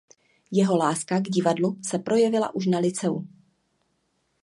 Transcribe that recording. Jeho láska k divadlu se projevila už na lyceu.